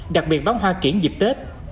đặc biệt bán hoa kiển dịp tết